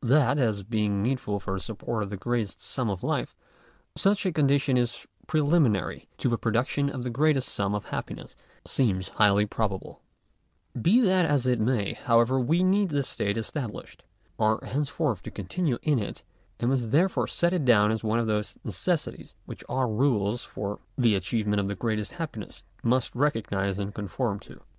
That, as being needful for the support of the greatest sum of life, such a condition is preliminary to the production of the greatest sum of happiness, seems highly probable. Be that as it may, however, we find this state established ; are henceforth to continue in it ; and must there fore set it down as one of those necessities which our rules for f 2 "j Digitized by VjOOQIC 68 THE DIVINE IDEA, AND the achievement of the greatest happiness must recognise and conform to.